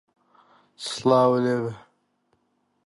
تۆ ڕەنگە لە هەڵاتووەکانی شیراز بی